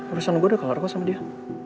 urusan gue udah kelar kelar sama dia